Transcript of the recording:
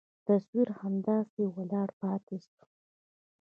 تصوير همداسې ولاړ پاته سو.